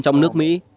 trong nước mỹ